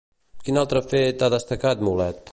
Quin altre fet ha destacat Mulet?